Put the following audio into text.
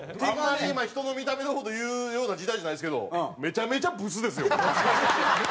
あんまり今人の見た目の事言うような時代じゃないですけどめちゃめちゃブスですよ。